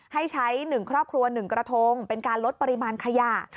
ให้ใช้๑ครอบครัว๑กระทงเป็นการลดปริมาณขยะ